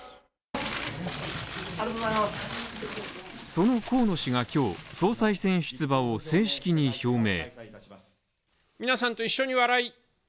その河野氏が今日総裁選出馬を正式に表明。